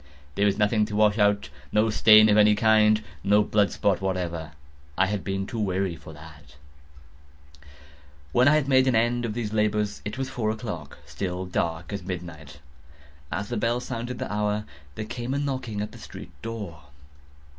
There was nothing to wash out—no stain of any kind—no blood spot whatever. I had been too wary for that. A tub had caught all—ha! ha! When I had made an end of these labors, it was four o'clock—still dark as midnight. As the bell sounded the hour, there came a knocking at the street door.